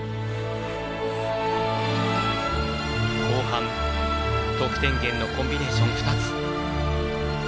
後半、得点源のコンビネーション２つ。